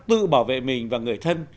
tự bảo vệ mình và người thân